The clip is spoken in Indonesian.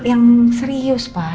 yang serius pak